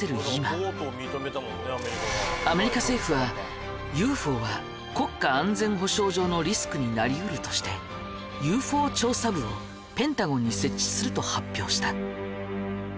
今アメリカ政府はＵＦＯは国家安全保障上のリスクになりうるとしてＵＦＯ調査部をペンタゴンに設置すると発表した。